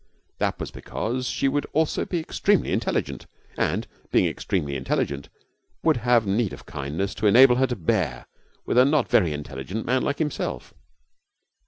That was because she would also be extremely intelligent, and, being extremely intelligent, would have need of kindness to enable her to bear with a not very intelligent man like himself.